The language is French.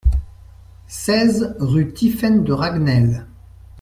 seize rue Tiphaine de Raguenel